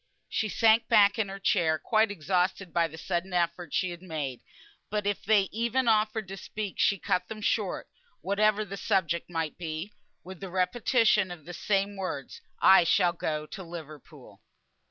She sank back in her chair, quite exhausted by the sudden effort she had made; but if they even offered to speak, she cut them short (whatever the subject might be), with the repetition of the same words, "I shall go to Liverpool."